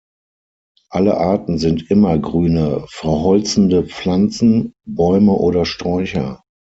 Alle Arten sind immergrüne, verholzende Pflanzen: Bäume oder Sträucher.